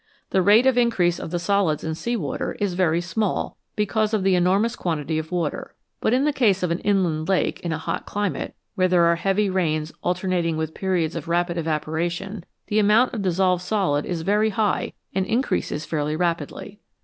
The rate of increase of the solids in sea water is very small because of the enormous quantity of water, but in the case of an inland lake in a hot climate, where there are heavy rains alternating with periods of rapid evaporation, the amount of dissolved solid is very high and increases fairly rapidly.